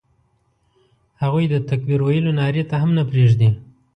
هغوی د تکبیر ویلو نارې ته هم نه پرېږدي.